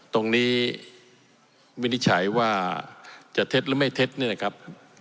วินิจฉัยว่าจะเท็จหรือไม่เท็จเนี่ยนะครับ